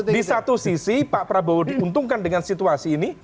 di satu sisi pak prabowo diuntungkan dengan situasi ini